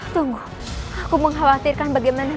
tunggu aku mengkhawatirkan bagaimana